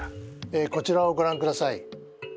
えこちらをごらんください。